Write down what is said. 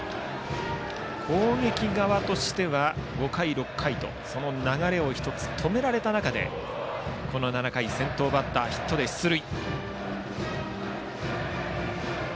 攻撃側としては５回、６回と流れを１つ止められた中で７回、先頭バッターがヒットで出塁。